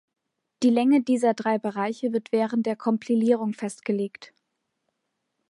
Die Länge dieser drei Bereiche wird während der Kompilierung festgelegt.